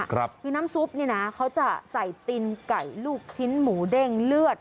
คือน้ำซุปเนี่ยนะเขาจะใส่ตินไก่ลูกชิ้นหมูเด้งเลือด